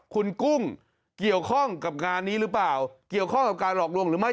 คุณกุ้งเกี่ยวข้องกับงานนี้หรือเปล่าเกี่ยวข้องกับการหลอกลวงหรือไม่